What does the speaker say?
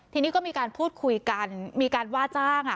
ทีนี้ก็มีการพูดคุยกันมีการว่าจ้าง